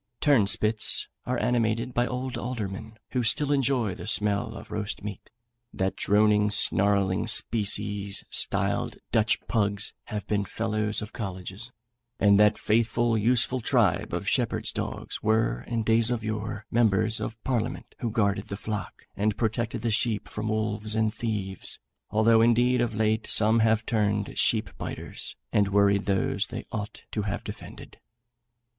Turnspits are animated by old aldermen, who still enjoy the smell of the roast meat; that droning, snarling species, styled Dutch pugs, have been fellows of colleges; and that faithful, useful tribe of shepherds' dogs, were, in days of yore, members of parliament, who guarded the flock, and protected the sheep from wolves and thieves, although indeed of late some have turned sheep biters, and worried those they ought to have defended.